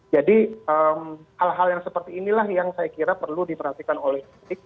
jadi hal hal yang seperti inilah yang saya kira perlu diperhatikan oleh kritik